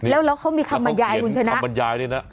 แล้วเขามีคำบรรยายบุญชนะ